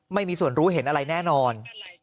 ไม่มีส่วนรู้เห็นอะไรแน่นอน